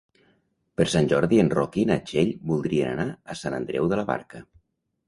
Per Sant Jordi en Roc i na Txell voldrien anar a Sant Andreu de la Barca.